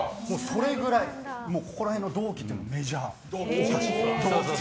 それくらいここら辺の同期メジャーたち。